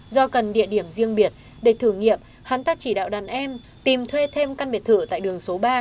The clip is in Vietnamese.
do cần địa điểm riêng biệt để thử nghiệm hắn đã chỉ đạo đàn em tìm thuê thêm căn biệt thự tại đường số ba